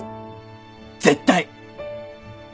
絶対！